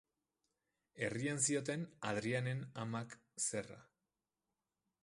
Herrian zioten Adrianen amak zerra.